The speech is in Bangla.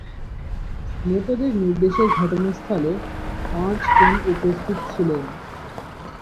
নেতাদের নির্দেশে ঘটনাস্থলে পাঁচজন উপস্থিত ছিলেন।